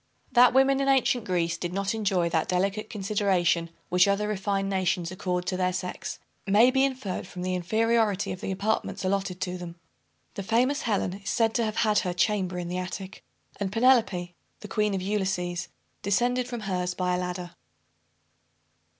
That women in ancient Greece did not enjoy that delicate consideration which other refined nations accord to their sex, may be inferred from the inferiority of the apartments allotted to them. The famous Helen is said to have had her chamber in the attic; and Penelope, the queen of Ulysses, descended from hers by a ladder.